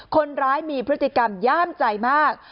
คนร้ายมีพฤติกรรมย่ามใจมาก